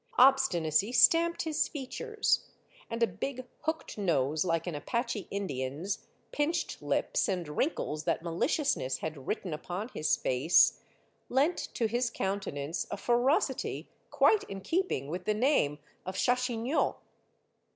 Obstinacy stamped his features, and a big hooked nose Hke an Apache Indian's, pinched lips, and wrinkles that maliciousness had written upon his face, lent to his countenance a ferocity quite in keeping with the name of Chachignot.